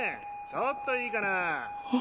ちょっといいかな？